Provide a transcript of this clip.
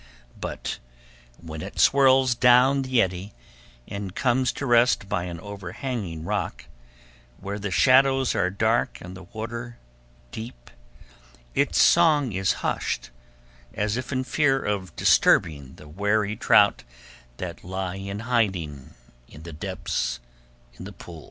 But when it swirls down the eddy, and comes to rest by an overhanging rock, where the shadows are dark and the water deep, its song is hushed, as if in fear of disturbing the wary trout that lie in hiding in the depths of the pool.